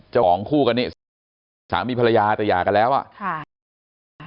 ของคู่กันนี่สามีภรรยาแต่หย่ากันแล้วอ่ะค่ะ